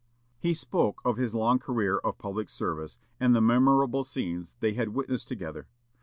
He spoke of his long career of public service, and the memorable scenes they had witnessed together.